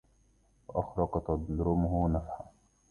وأخرق تضرمه نفحة